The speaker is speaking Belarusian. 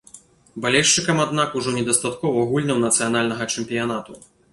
Балельшчыкам, аднак, ужо недастаткова гульняў нацыянальнага чэмпіянату.